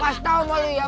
gua kasih tau mau lu ya